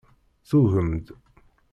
Tugem-d.